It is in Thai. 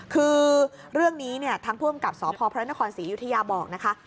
คือเรื่องนี้เนี่ยทางผู้อำกับสพพระนครศรีอยุธยาบอกนะคะ